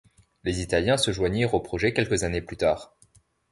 Les Italiens se joignirent au projet quelques années plus tard.